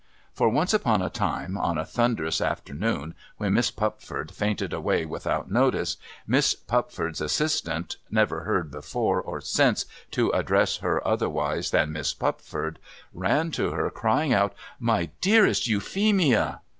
For, once upon a time on a thunderous after noon, when Miss Pupford fainted away without notice. Miss Pup ford's assistant (never heard, before or since, to address her otherwise than as Miss Pupford) ran to her, crying out ' My dearest Euphemia